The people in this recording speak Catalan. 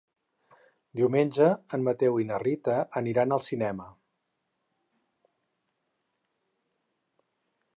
Diumenge en Mateu i na Rita aniran al cinema.